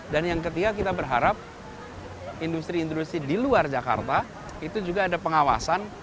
dan yang ketiga kita berharap industri industri di luar jakarta itu juga ada pengawasan